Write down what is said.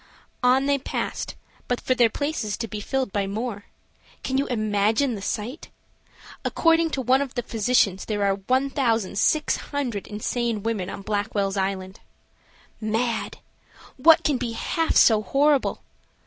On they passed, but for their places to be filled by more. Can you imagine the sight? According to one of the physicians there are 1600 insane women on Blackwell's Island. Mad! what can be half so horrible?